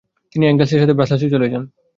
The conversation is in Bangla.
তিনি এঙ্গেল্সের সাথে ব্রাসেল্স চলে যান।